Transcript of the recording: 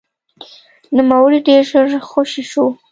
نوموړی ډېر ژر خوشې شو.